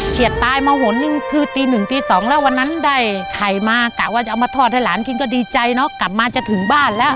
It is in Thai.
เกียจตายมหนึงคือตี๑ที่๒แล้ววันนั้นได้ไข่มาแต่เอามาทอดให้หลานกินก็ดีใจเนาะกลับมาจะถึงบ้านแล้ว